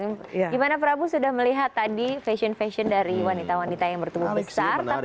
gimana prabu sudah melihat tadi fashion fashion dari wanita wanita yang bertumbuh besar